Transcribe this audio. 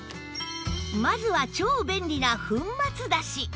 まずは超便利な粉末だし